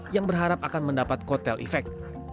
yang berharap akan mendapat kotel efek